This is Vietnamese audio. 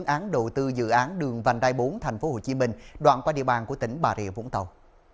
án đầu tư dự án đường vành đai bốn tp hcm đoạn qua địa bàn của tỉnh bà rịa vũng tàu